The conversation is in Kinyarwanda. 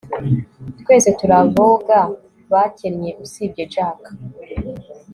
twese turi aboga bakennye usibye jack